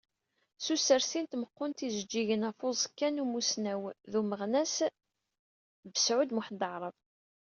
S usersi n tmeqqunt n yijeǧǧigen ɣef uẓekka n umussnaw d umeɣnas Besεud Muḥend Aεrab.